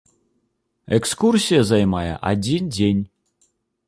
Экскурсія займае адзін дзень.